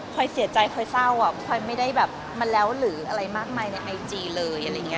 เสียใจคอยเศร้าอ่ะพลอยไม่ได้แบบมาแล้วหรืออะไรมากมายในไอจีเลยอะไรอย่างนี้